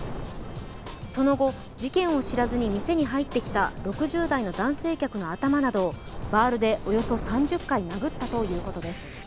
その後、事件を知らずに店に入ってきた６０代の男性客の頭などをバールでおよそ３０回殴ったということです。